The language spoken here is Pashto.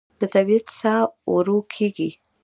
د طبیعت ساه ورو کېږي